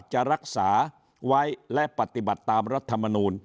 จะรักษาไว้และปฏิบัติตามรัฐมนูล